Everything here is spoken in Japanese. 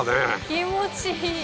気持ちいい。